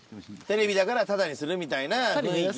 テレビだからタダにするみたいな雰囲気。